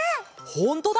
ほんとだ！